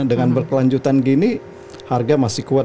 dengan berkelanjutan gini harga masih kuat